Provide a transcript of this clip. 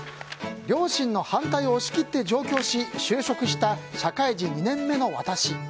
両親の反対を押し切って上京し就職した社会人２年目の私。